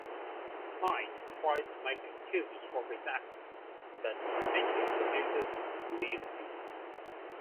Mike tries to make excuses for his absence, but Mickey refuses to believe him.